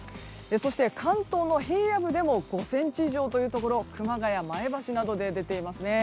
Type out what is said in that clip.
そして関東の平野部でも５ｃｍ以上というところ熊谷、前橋などで出ていますね。